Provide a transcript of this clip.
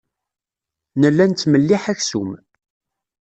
Nella nettmelliḥ aksum.